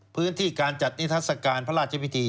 พื้นที่การจัดนิทัศกาลพระราชพิธี